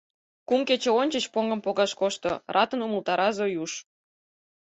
— Кум кече ончыч поҥгым погаш кошто, — ратын умылтара Зоюш.